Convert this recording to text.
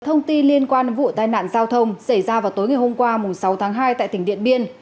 thông tin liên quan vụ tai nạn giao thông xảy ra vào tối ngày hôm qua sáu tháng hai tại tỉnh điện biên